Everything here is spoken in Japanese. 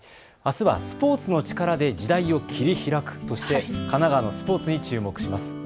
あすはスポーツの力で時代を切り開くとして神奈川のスポーツに注目します。